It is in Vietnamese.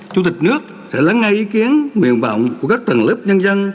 chủ tịch nước sẽ lắng ngay ý kiến nguyện vọng của các tầng lớp nhân dân